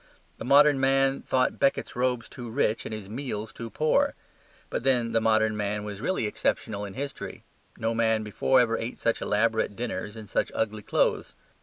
The modern man thought Becket's robes too rich and his meals too poor. But then the modern man was really exceptional in history; no man before ever ate such elaborate dinners in such ugly clothes.